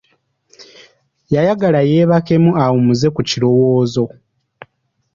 Yayagala yeebakemu awummuza ku kirowoozo.